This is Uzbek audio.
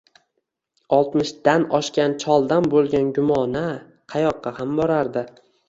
Oltmishdan oshgan choldan bo`lgan gumona qayoqqa ham borardi